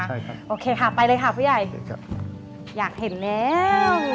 ใช่ครับโอเคค่ะไปเลยค่ะผู้ใหญ่อยากเห็นแล้ว